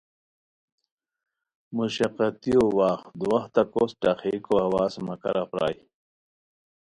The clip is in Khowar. مشقتیو واغ دواہتہ کوس ٹھاخئیکو ہواز مہ کارا پرائے